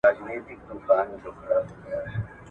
ایا تاسي ماشومانو ته په کور کې وخت ورکوئ؟